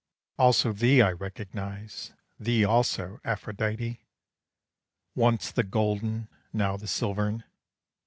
Also thee I recognize, thee also, Aphrodite! Once the golden, now the silvern!